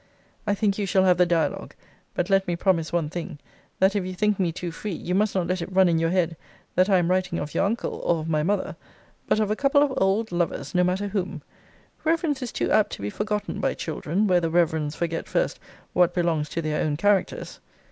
I think you shall have the dialogue. But let me promise one thing; that if you think me too free, you must not let it run in your head that I am writing of your uncle, or of my mother; but of a couple of old lovers, no matter whom. Reverence is too apt to be forgotten by children, where the reverends forget first what belongs to their own characters.